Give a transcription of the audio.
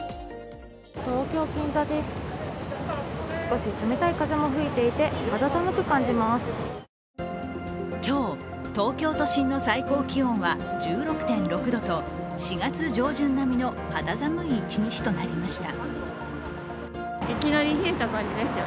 東京・銀座です、少し冷たい風も吹いていて今日、東京都心の最高気温は１６．６度と４月上旬並みの肌寒い一日となりました。